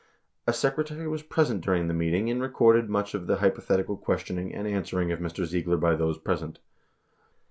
A secretary was present during the meeting and recorded much of the hypothetical questioning and answering of Mr. Ziegler by those present